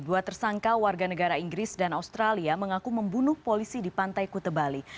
dua tersangka warga negara inggris dan australia mengaku membunuh polisi di pantai kute bali